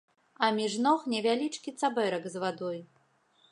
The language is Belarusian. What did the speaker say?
А між ног невялічкі цабэрак з вадой.